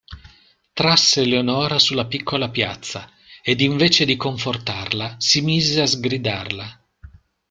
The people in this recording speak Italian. Trasse Leonora sulla piccola piazza, ed invece di confortarla si mise a sgridarla.